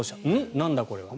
なんだこれは。